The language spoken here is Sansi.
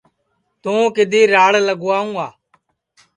توں کِدھی راڑ لاواںٚؤ گا